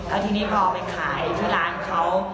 เอาที่นี่พอเอาไปขายที่ร้านเขา